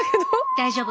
大丈夫。